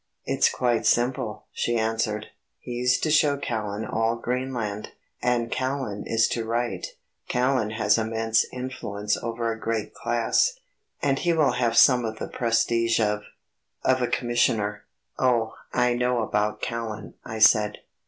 "It's quite simple," she answered, "he's to show Callan all Greenland, and Callan is to write ... Callan has immense influence over a great class, and he will have some of the prestige of of a Commissioner." "Oh, I know about Callan," I said.